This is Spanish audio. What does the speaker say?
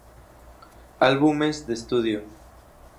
Álbumes de Estudio